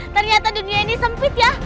ternyata dunia ini sempit ya